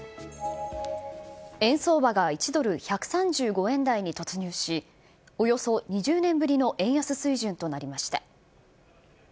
円相場が１ドル１３５円台に突入し、およそ２０年ぶりの円安水準となりました。